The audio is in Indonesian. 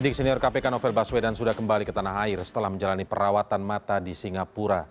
penyidik senior kpk novel baswedan sudah kembali ke tanah air setelah menjalani perawatan mata di singapura